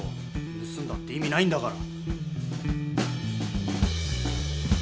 ぬすんだって意味ないんだから。